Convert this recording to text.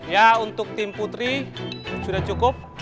ya untuk tim putri sudah cukup